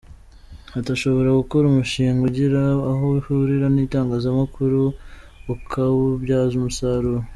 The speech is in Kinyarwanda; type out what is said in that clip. Ati “ushobora gukora umushinga ugira aho uhurira n’itangazamakuru ukawubyaza umusaruro.